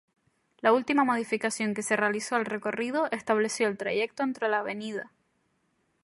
La última modificación que se realizó al recorrido estableció el trayecto entre la Av.